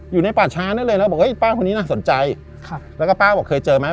อยู่ในป่าช้านั่นเลยนะบอกเอ้ยป้าคนนี้น่าสนใจครับแล้วก็ป้าบอกเคยเจอไหม